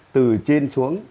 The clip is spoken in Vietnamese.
từ trên xuống